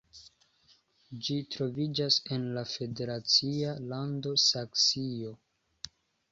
Ĝi troviĝas en la la federacia lando Saksio.